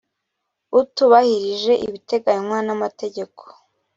utubahirije ibiteganywa n amategeko